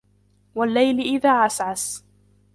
وَاللَّيْلِ إِذَا عَسْعَسَ